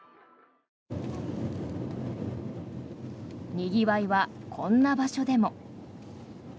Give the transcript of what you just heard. にぎわいはこんな場所でも。